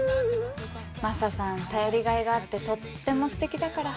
マサさん頼りがいがあってとってもすてきだから。